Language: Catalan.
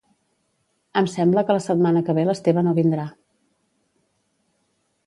Em sembla que la setmana que ve l'Esteve no vindrà